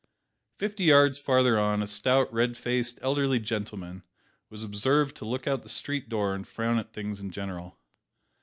Fifty yards farther on, a stout, red faced, elderly gentleman was observed to look out at the street door and frown at things in general.